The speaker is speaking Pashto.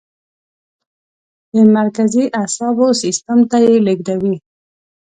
د مرکزي اعصابو سیستم ته یې لیږدوي.